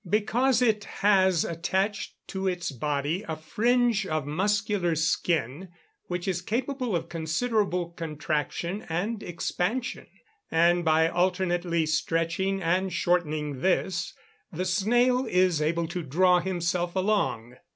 _ Because it has attached to its body a fringe of muscular skin, which is capable of considerable contraction and expansion, and by alternately stretching and shortening this, the snail is able to draw himself along.